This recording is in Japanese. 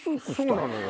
そうなのよ。